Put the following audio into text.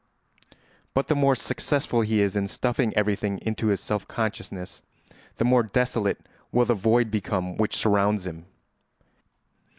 But the more successful he is in stuffing everything into his self consciousness, the more desolate will the void become which surrounds him.